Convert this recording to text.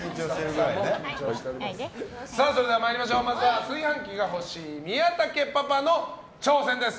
それでは、炊飯器が欲しい宮田家パパの挑戦です。